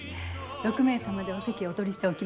６名様でお席をお取りしておきます。